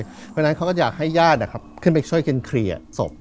เพราะฉะนั้นเขาก็อยากให้ญาตินะครับขึ้นไปช่วยเขียนเกลียดศพ